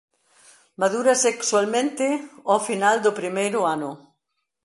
Madura sexualmente ao final do primeiro ano.